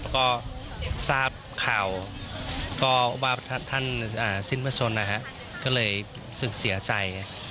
แล้วก็ทราบข่าวก็ว่าท่านสิทธิพชนก็เลยรู้สึกเสียใจ